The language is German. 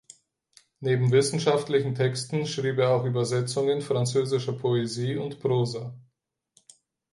Neben wissenschaftlichen Texten schrieb er auch Übersetzungen französischer Poesie und Prosa.